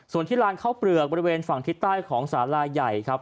ส่วนที่ลานเข้าเปลือกบริเวณฝั่งทิศใต้ของสาลาใหญ่ครับ